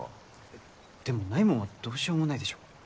えっでもないもんはどうしようもないでしょ。